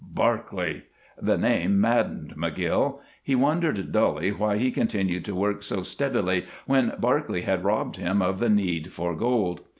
Barclay! The name maddened McGill. He wondered dully why he continued to work so steadily when Barclay had robbed him of the need for gold.